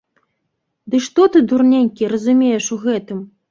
Ды што ты, дурненькі, разумееш у гэтым?